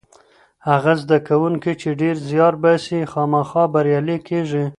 هغه زده کوونکی چې ډېر زیار باسي خامخا بریالی کېږي.